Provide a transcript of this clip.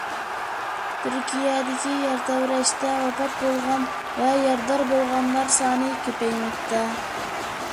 تۈركىيەدىكى يەر تەۋرەشتە ۋاپات بولغان ۋە يارىدار بولغانلار سانى كۆپەيمەكتە.